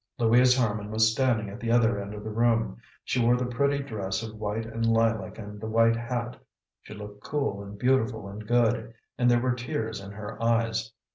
Louise Harman was standing at the other end of the room; she wore the pretty dress of white and lilac and the white hat. She looked cool and beautiful and good, and there were tears in her eyes.